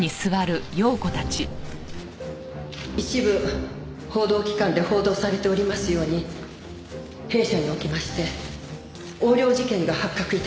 一部報道機関で報道されておりますように弊社におきまして横領事件が発覚致しました。